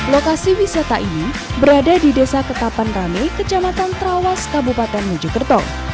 lokasi wisata ini berada di desa ketapan rame kecamatan trawas kabupaten mojokerto